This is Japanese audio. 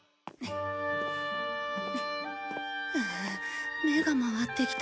うう目が回ってきた。